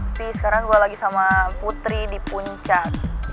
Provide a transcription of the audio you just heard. sekarang gue lagi sama putri di puncak